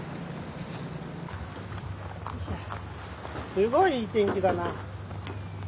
すごいいい天気だな。